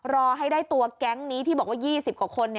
รอให้ได้ตัวแก๊งนี้ที่บอกว่า๒๐กว่าคน